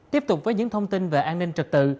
tiếp tục với những thông tin về an ninh trật tự